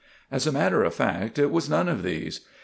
As a matter of fact it was none of these.